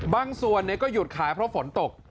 บางส่วนก็หยุดขายเพราะฝนตก